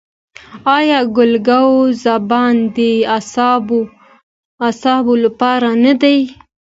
آیا ګل ګاو زبان د اعصابو لپاره نه دی؟